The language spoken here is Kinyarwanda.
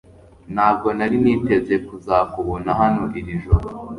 Ntabwo nari niteze kuzakubona hano iri joro